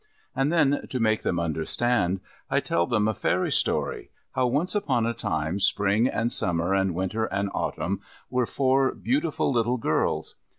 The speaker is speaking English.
And then, to make them understand, I tell them a fairy story, how, once upon a time, Spring and Summer and Winter and Autumn were four beautiful little girls.